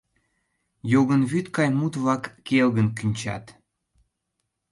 Йогын вӱд гай мут-влак келгын кӱнчат…